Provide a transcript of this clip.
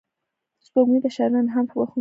سپوږمۍ د شاعرانو الهام بښونکې ده